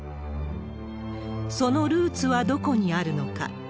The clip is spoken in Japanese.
そのルーツはどこにあるのか。